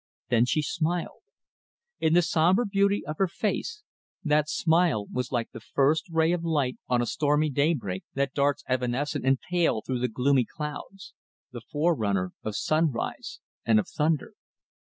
Then she smiled. In the sombre beauty of her face that smile was like the first ray of light on a stormy daybreak that darts evanescent and pale through the gloomy clouds: the forerunner of sunrise and of thunder.